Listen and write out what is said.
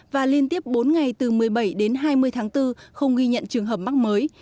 và liên tiếp bốn ngày từ một mươi bảy đến hai mươi tháng bốn không ghi nhận trường hợp mắc mới